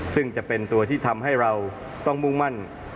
ซึ่งจะเป็นตัวที่ทำให้เราต้องมุ่งมั่น